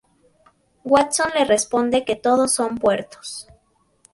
Watson le responde que todos son puertos.